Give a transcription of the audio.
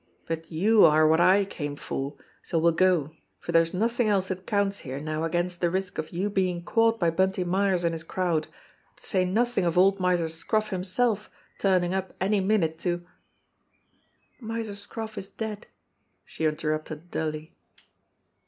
But you are what / came for, so we'll go, for there is nothing else that counts here now against the risk of you being caught by Bunty Myers and his crowd, to say nothing of old Miser Scroff himself turning up any minute to " "Miser Scroff is dead," she interrupted dully.